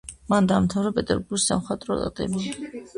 მან დაამთავრა პეტერბურგის სამხატვრო აკადემია.